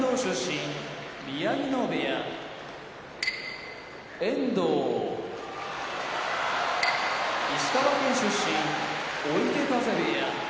宮城野部屋遠藤石川県出身追手風部屋